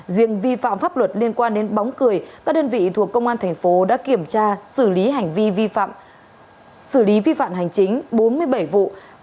riêng vi phạm pháp luật liên quan đến bóng cười các đơn vị thuộc công an thành phố đã kiểm tra xử lý hành vi vi phạm hành chính bốn mươi bảy vụ